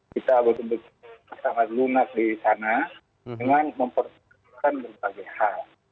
kita bersama lunak di sana dengan mempertimbangkan berbagai hal